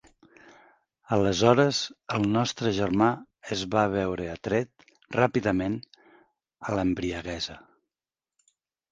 Aleshores el nostre germà es va veure atret, ràpidament, a l'embriaguesa.